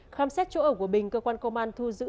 khám xét chỗ ở của bình cơ quan công an thu giữ